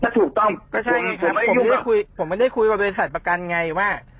ถ้าถูกต้องก็ใช่ไงครับผมไม่ได้คุยผมไม่ได้คุยว่าบริษัทประกันไงว่า